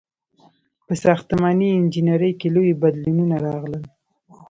• په ساختماني انجینرۍ کې لوی بدلونونه راغلل.